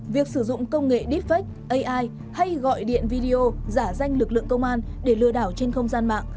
việc sử dụng công nghệ deepfake ai hay gọi điện video giả danh lực lượng công an để lừa đảo trên không gian mạng